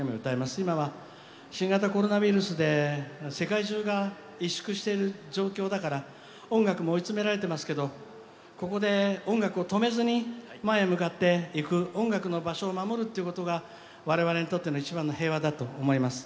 今は新型コロナウイルスで世界中が萎縮してる状況だから音楽も追い詰められてますけどここで音楽を止めずに前へ向かっていく音楽の場所を守るっていうことが我々にとっての一番の平和だと思います。